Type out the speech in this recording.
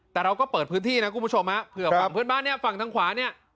แต่เราก็เปิดพื้นที่นะคุณผู้ชมฮะเผื่อฝั่งเพื่อนบ้านเนี่ยฝั่งทางขวาเนี่ย